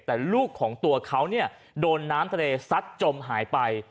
แต่ลูกของตัวเขาโดนน้ำทะเลซัดจมหายไป